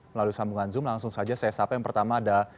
melalui sambungan zoom langsung saja saya sapa yang pertama ada